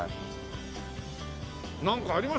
なんかありますよ